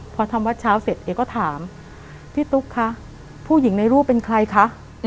พอทำวัดเช้าเสร็จเอกก็ถามพี่ตุ๊กคะผู้หญิงในรูปเป็นใครคะ